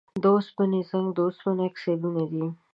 د اوسپنې زنګ د اوسپنې اکسایدونه دي.